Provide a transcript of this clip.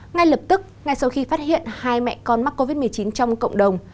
ngay lập tức ngay sau khi phát hiện hai mẹ con mắc covid một mươi chín trong cộng đồng